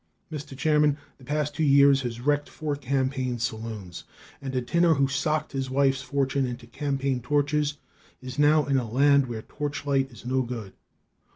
"Mr. Chairman, the past two years has wrecked four campaign saloons, and a tinner who socked his wife's fortune into campaign torches is now in a land where torchlights is no good.